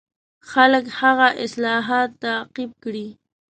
خلک هغه اصلاحات تعقیب کړي.